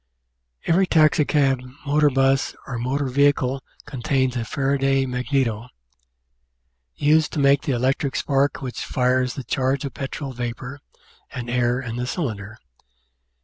Every taxicab, motor bus, or motor vehicle contains a Fara duy magneto, used to make the electric spark which fires the charge of petrol vapour and air in the cylinder.